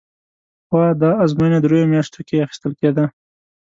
پخوا دا ازموینه درېیو میاشتو کې اخیستل کېده.